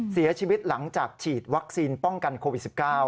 เสียชีวิตหลังจากฉีดวัคซีนป้องกันโควิด๑๙